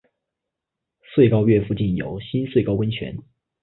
穗高岳附近有新穗高温泉。